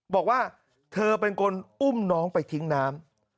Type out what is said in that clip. บอกว่าเธอเป็นคนอุ้มน้องไปทิ้งน้ำ